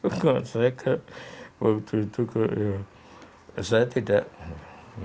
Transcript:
bukan saya waktu itu saya tidak